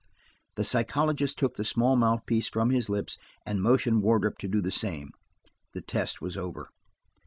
The psychologist took the small mouthpiece from his lips, and motioned Wardrop to do the same. The test was over.